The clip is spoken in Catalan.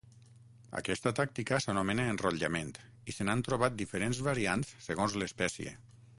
Aquesta tàctica s'anomena enrotllament i se n'han trobat diferents variants segons l'espècie.